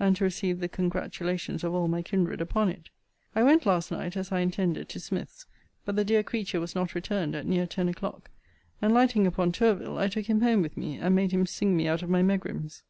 and to receive the congratulations of all my kindred upon it. I went, last night, as I intended, to Smith's: but the dear creature was not returned at near ten o'clock. And, lighting upon Tourville, I took him home with me, and made him sing me out of my megrims.